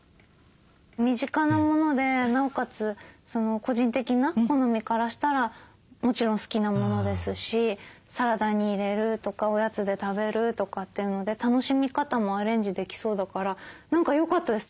身近なものでなおかつ個人的な好みからしたらもちろん好きなものですしサラダに入れるとかおやつで食べるとかっていうので楽しみ方もアレンジできそうだから何かよかったです。